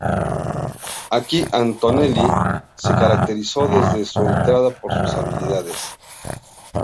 Aquí Antonelli se caracterizó desde su entrada por sus habilidades.